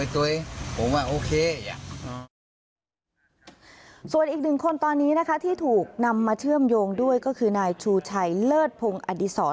แล้วออกจากร้านนะมันเอิ้นถามว่าร้านปรีลจ์ล่าจะไปกินไหนก็